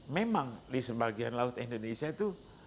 memang di sebagian laut indonesia itu